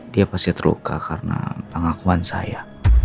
dia pasti terluka karena pengakuan saya